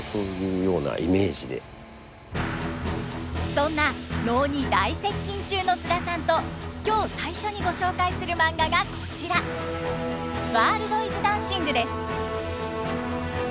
そんな能に大接近中の津田さんと今日最初にご紹介するマンガがこちら「ワールドイズダンシング」です。